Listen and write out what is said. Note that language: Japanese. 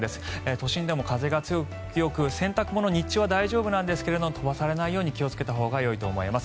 都心でも風が強く洗濯物、日中は大丈夫なんですが飛ばされないように気をつけたほうがよいと思います。